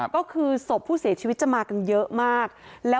ก็คือศพผู้เสียชีวิตจะมากันเยอะมาก